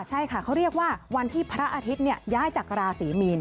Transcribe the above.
ใช่ค่ะเขาเรียกว่าวันที่พระอาทิตย์ย้ายจากราศรีมีน